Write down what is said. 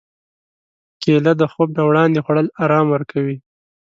کېله د خوب نه وړاندې خوړل ارام ورکوي.